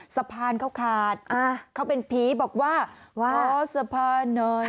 สะพานเขาขาดเขาเป็นผีบอกว่าขอสะพานหน่อย